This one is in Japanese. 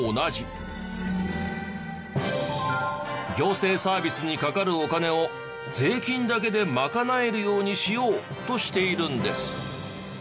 行政サービスにかかるお金を税金だけで賄えるようにしよう。としているんです。